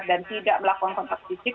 dan tidak melakukan kontak fisik